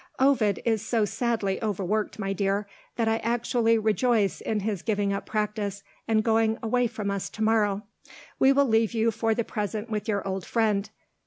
"Ovid is so sadly overworked, my dear, that I actually rejoice in his giving up practice, and going away from us to morrow. We will leave you for the present with your old friend.